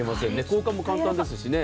交換も簡単ですしね。